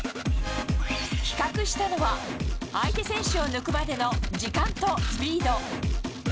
比較したのは、相手選手を抜くまでの時間とスピード。